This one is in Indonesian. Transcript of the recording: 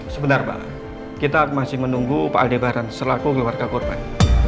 sebentar pak kita masih menunggu pak aldi baran selaku keluarga korban